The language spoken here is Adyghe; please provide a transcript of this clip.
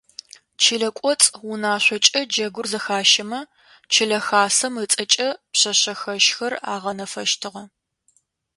Чылэ кӏоцӏ унашъокӏэ джэгур зэхащэмэ, чылэ хасэм ыцӏэкӏэ пшъэшъэхэщхэр агъэнафэщтыгъэ.